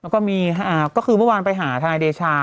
แล้วก็มีก็คือเมื่อวานไปหาทนายเดชา